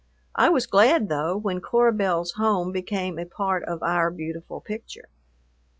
I was glad, though, when Cora Belle's home became a part of our beautiful picture.